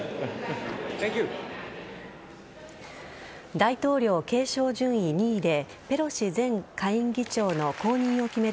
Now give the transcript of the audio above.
大統領継承順位２位でペロシ前下院議長の後任を決める